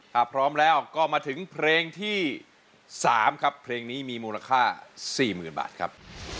ถ้าพร้อมแล้วก็มาถึงเพลงที่๓ครับเพลงนี้มีมูลค่า๔๐๐๐บาทครับ